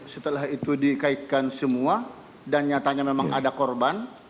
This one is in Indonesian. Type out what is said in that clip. setelah itu dikaitkan semua dan nyatanya memang ada korban